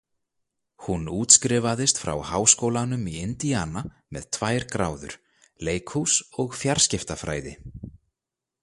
Hún útskrifaðist frá Háskólanum í Indiana með tvær gráður, leikhús- og fjarskiptafræði.